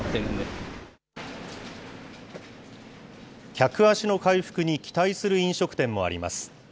客足の回復に期待する飲食店もあります。